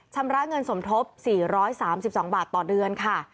ชำระเงินสมทบ๔๓๒บาทต่อเดือนค่ะ